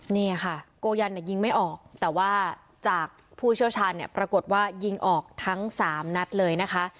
เนี่ยค่ะโกยันยิงไม่ออกแต่ว่าจากผู้เชี่ยวชาญเนี่ยปรากฏว่ายิงออกทั้ง๓นัดเลยนะคะ